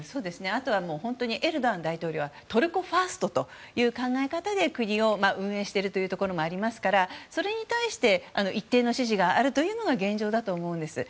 あとはエルドアン大統領はトルコファーストという考え方で国を運営しているということもありますからそれに対して一定の支持があるというのが現状だと思います。